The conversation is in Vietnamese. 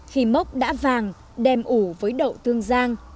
khi mốc đã vàng đem ủ với đậu tương giang